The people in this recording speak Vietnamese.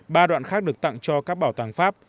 ba đoạn khác được tặng cho các bảo tàng pháp